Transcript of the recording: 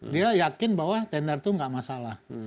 dia yakin bahwa tender itu nggak masalah